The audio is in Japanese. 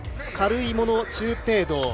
軽いもの、中程度。